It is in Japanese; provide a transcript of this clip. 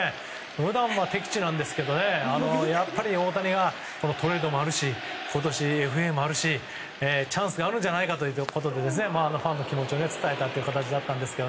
普段は敵地なんですけどやっぱり大谷がトレードもあるし今年、ＦＡもあるしチャンスがあるんじゃないかということでファンの気持ちを伝えた形でした。